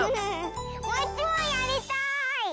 もういちもんやりたい！